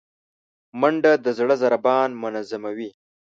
منډه د زړه ضربان منظموي